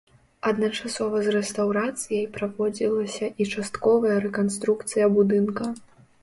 Адначасова з рэстаўрацыяй праводзілася і частковая рэканструкцыя будынка.